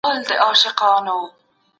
د مېوو په خوړلو سره د بدن قوت څو چنده کیږي.